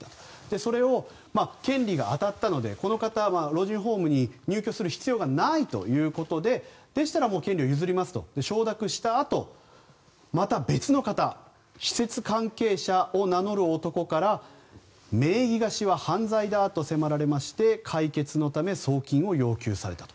それを権利が当たったのでこの方は老人ホームに入居する必要がないということででしたらもう権利を譲りますと承諾したあとまた別の方施設関係者を名乗る男から名義貸しは犯罪だと迫られまして解決のため送金を要求されたと。